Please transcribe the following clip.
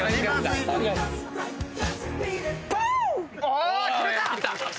お決めた！